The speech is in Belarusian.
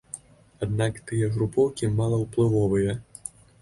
Аднак тыя групоўкі малаўплывовыя.